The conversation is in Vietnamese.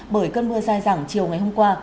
bởi cơn mưa dài dẳng chiều ngày hôm qua